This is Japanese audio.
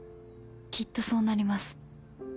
きっとそうなります」。